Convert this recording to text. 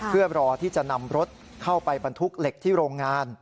เพื่อรอที่จะนำรถเข้าไปบรรทุกเหล็กที่โรงงาน